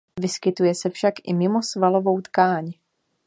Vyskytuje se však i mimo svalovou tkáň.